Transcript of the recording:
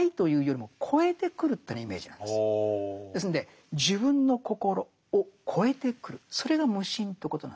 ですんで自分の心を超えてくるそれが無心ということなんだ。